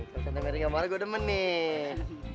kalau tante merry nggak marah gue demen nih